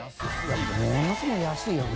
ものすごい安いよね